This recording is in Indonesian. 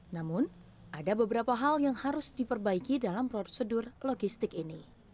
namun ada beberapa hal yang harus diperbaiki dalam prosedur logistik ini